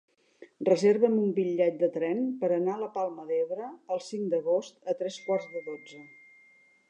Reserva'm un bitllet de tren per anar a la Palma d'Ebre el cinc d'agost a tres quarts de dotze.